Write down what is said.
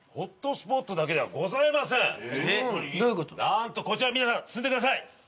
何とこちら皆さん進んでください。